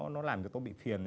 nó làm cho tôi bị phiền